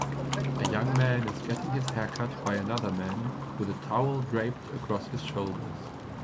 A young man is getting his haircut by another man with a towel draped across his shoulders.